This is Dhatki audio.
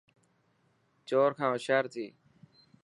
چور کان هوشيار ٿي.